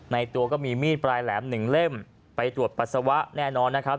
ในตัวก็มีมีดปลายแหลมหนึ่งเล่มไปตรวจปัสสาวะแน่นอนนะครับ